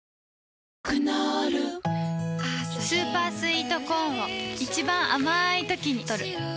クノールスーパースイートコーンを一番あまいときにとる